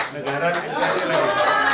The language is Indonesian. negara nkri lagi